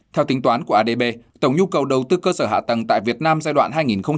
theo tính toán của adb tổng nhu cầu đầu tư cơ sở hạ tầng tại việt nam giai đoạn hai nghìn một mươi sáu hai nghìn hai mươi